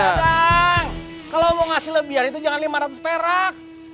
udang kalau mau ngasih lebihan itu jangan lima ratus perak